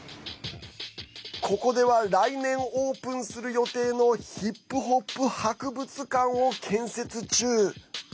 ここでは来年オープンする予定のヒップホップ博物館を建設中。